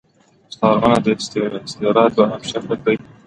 مستعارمنه د ا ستعارې دوهم شکل دﺉ.